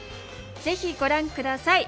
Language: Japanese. ぜひご覧下さい！